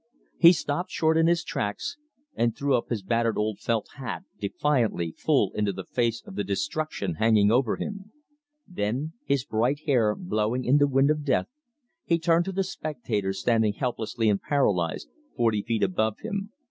He stopped short in his tracks, and threw his battered old felt hat defiantly full into the face of the destruction hanging over him. Then, his bright hair blowing in the wind of death, he turned to the spectators standing helpless and paralyzed, forty feet above him.